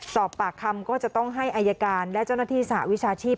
สอบปากคำก็จะต้องให้อายการและเจ้าหน้าที่สหวิชาชีพ